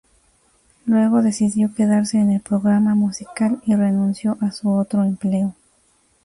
Luego decidió quedarse en el programa musical y renunció a su otro empleo.